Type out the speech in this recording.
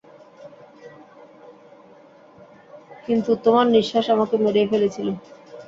কিন্তু তোমার নিঃশ্বাস আমাকে মেরেই ফেলেছিল।